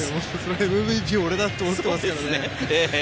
ＭＶＰ、俺だと思っていますからね。